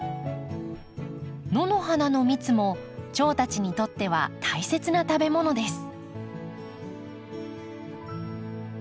野の花の蜜もチョウたちにとっては大切な食べ物です。